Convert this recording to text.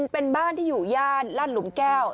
เป็นบ้านที่อยู่ย่านลาดหลุมแก้ว